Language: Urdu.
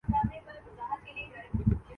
فاشسٹ تحریکوں کے اور خواص بھی بیان کیے جاتے ہیں۔